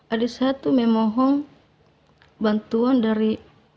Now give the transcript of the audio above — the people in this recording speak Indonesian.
adik saya tuh memohon bantuan dari